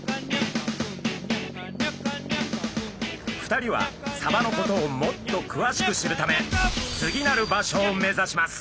２人はサバのことをもっとくわしく知るため次なる場所を目指します。